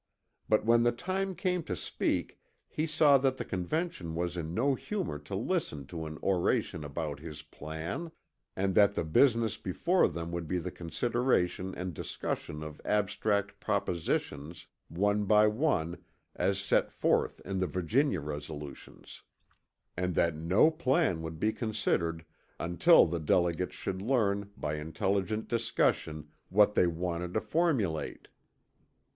But when the time came to speak he saw that the Convention was in no humor to listen to an oration about his plan, and that the business before them would be the consideration and discussion of abstract propositions one by one as set forth in the Virginia resolutions, and that no plan would be considered until the delegates should learn by intelligent discussion what they wanted to formulate.